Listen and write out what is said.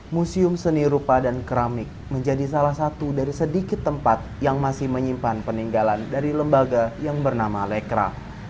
museum seni rupa dan keramik menjadi salah satu dari sedikit tempat yang masih menyimpan peninggalan dari lembaga yang bernama lekra